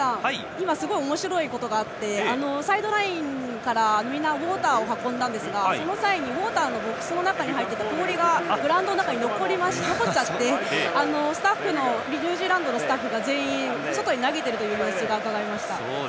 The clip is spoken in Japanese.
今すごいおもしろいことがあってサイドラインからウォーターを運んだんですがその際ウォーターのボックスの氷がグラウンドの中に残っちゃってニュージーランドのスタッフが外に投げている様子がうかがえました。